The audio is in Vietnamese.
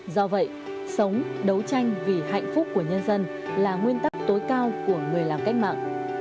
do vậy sống đấu tranh vì hạnh phúc của nhân dân là nguyên tắc tối cao của người làm cách mạng